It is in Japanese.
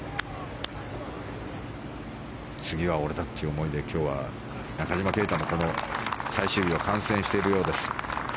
次は俺だという思いで今日は中島啓太もこの最終日を観戦しているようです。